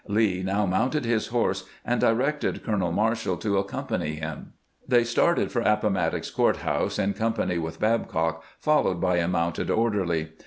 Lee now mounted his horse, and directed Colonel Marshall to accompany him. They started for Appomattox Court house in company with Babcock, followed by a mounted orderly.